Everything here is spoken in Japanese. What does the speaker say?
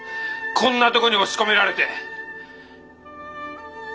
こんなとこに押し込められて！